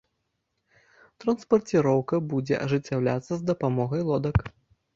Транспарціроўка будзе ажыццяўляцца з дапамогай лодак.